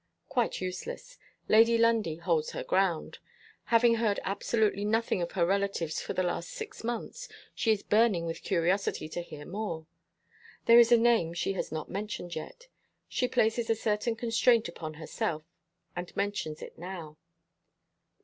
Quite useless! Lady Lundie holds her ground. Having heard absolutely nothing of her relatives for the last six months, she is burning with curiosity to hear more. There is a name she has not mentioned yet. She places a certain constraint upon herself, and mentions it now.